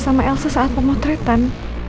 sama elsa saat pemotretan